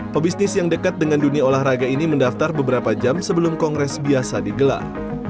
pebisnis yang dekat dengan dunia olahraga ini mendaftar beberapa jam sebelum kongres biasa digelar